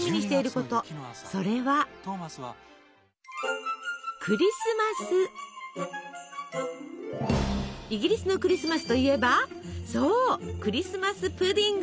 イギリスのクリスマスといえばそうクリスマス・プディング。